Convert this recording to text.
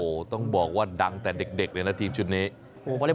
ก็ต้องบอกว่าดังแต่เด็กเลยนะทีมชุดนี้